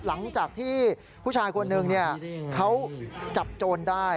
หลังจากที่ผู้ชายคนหนึ่งเขาจับโจรได้